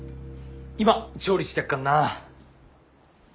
今調理してやっかんな。